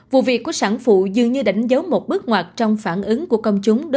vụ việc của sản phụ dường như đánh dấu một bước ngoặt trong phản ứng của công chúng